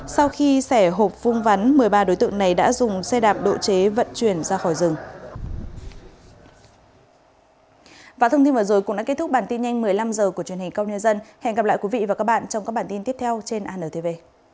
sau khi xẻ hộp vuông vắn một mươi ba đối tượng này đã dùng xe đạp độ chế vận chuyển ra khỏi rừng